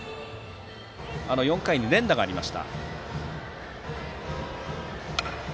４回に連打がありました。